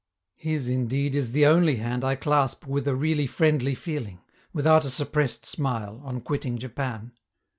His, indeed, is the only hand I clasp with a really friendly feeling, without a suppressed smile, on quitting Japan.